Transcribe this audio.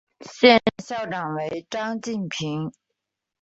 现任校长为张晋平。